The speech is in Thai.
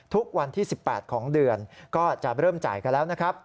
วันที่๑๘ของเดือนก็จะเริ่มจ่ายกันแล้วนะครับ